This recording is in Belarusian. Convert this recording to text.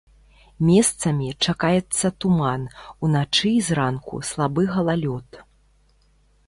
Месцамі чакаецца туман, уначы і зранку слабы галалёд.